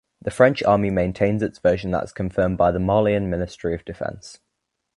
The French army maintains its version that is confirmed by Malian Ministry of Defence.